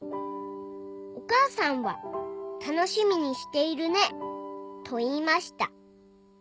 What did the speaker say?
「おかあさんはたのしみにしているねといいました」